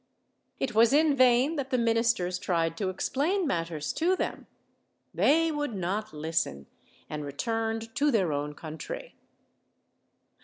It was in vain that the ministers tried to explain mat ters to them; they would not listen, and returned to their own country.